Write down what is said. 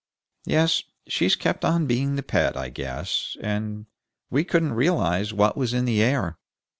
Yes, she's kept on being the pet, I guess, and we couldn't realize what was in the air."